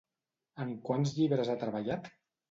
En quants llibres ha treballat?